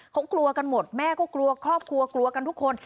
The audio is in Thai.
เขากลัวกันหมดแม่ก็กลัวครอบครัวกลัวกันทุกคน